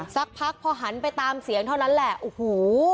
สักพักพอหันไปตามเสียงเท่านั้นแหละโอ้โห